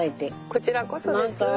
こちらこそです。